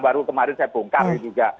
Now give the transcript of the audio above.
baru kemarin saya bongkar juga